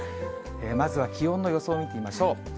まずは気温の予想を見てみましょう。